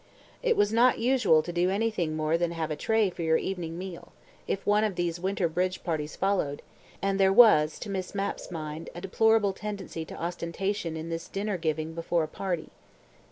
It was not usual to do anything more than "have a tray" for your evening meal, if one of these winter bridge parties followed, and there was, to Miss Mapp's mind, a deplorable tendency to ostentation in this dinner giving before a party.